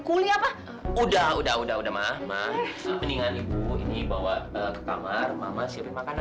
beli apa udah udah udah udah mah mendingan ibu ini bawa ke kamar mama siapin makanan ya